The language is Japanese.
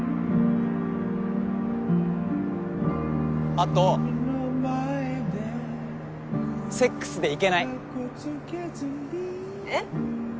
あとセックスでイケないえっ？